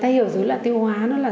tây hiểu dối loạn tiêu hóa